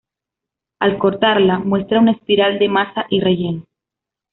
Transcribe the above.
Al cortarla, muestra una espiral de masa y relleno.